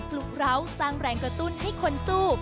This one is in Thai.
ลุกร้าวสร้างแรงกระตุ้นให้คนสู้